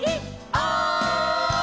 「おい！」